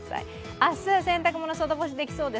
明日、洗濯物外干しできそうです。